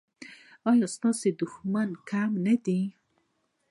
ایا ستاسو دښمنان کم نه دي؟